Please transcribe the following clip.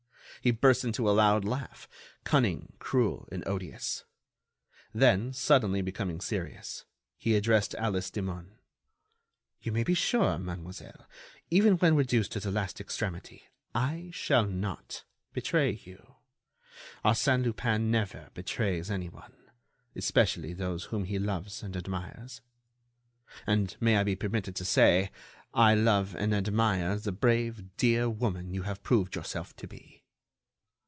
He burst into a loud laugh, cunning, cruel and odious. Then, suddenly becoming serious, he addressed Alice Demun: "You may be sure, mademoiselle, even when reduced to the last extremity, I shall not betray you. Arsène Lupin never betrays anyone—especially those whom he loves and admires. And, may I be permitted to say, I love and admire the brave, dear woman you have proved yourself to be."